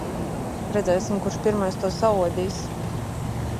Redzēsim, kurš pirmais to saodīs.